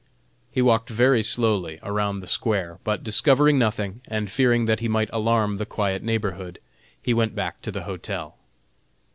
He walked very slowly around the square, but discovering nothing, and fearing that he might alarm the quiet neighborhood, he went back to the hotel.